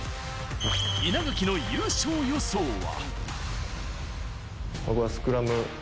稲垣の優勝予想は？